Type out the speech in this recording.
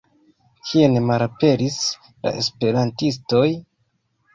Kien malaperis la esperantistoj?